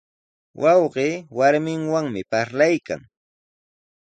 Wawqii warminwanmi parlaykan.